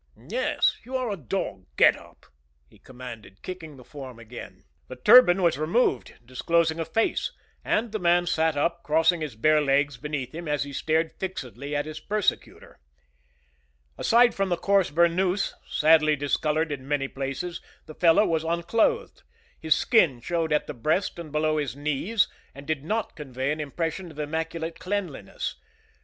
"Yes; you are a dog. Get up!" he commanded, kicking the form again. The turban was removed, disclosing a face, and the man sat up, crossing his bare legs beneath him as he stared fixedly at his persecutor. Aside from the coarse burnous, sadly discolored in many places, the fellow was unclothed. His skin showed at the breast and below his knees, and did not convey an impression of immaculate cleanliness.